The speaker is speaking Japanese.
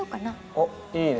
おっいいね